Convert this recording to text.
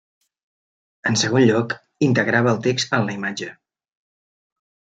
En segon lloc, integrava el text en la imatge.